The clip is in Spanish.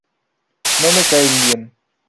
No me caen bien.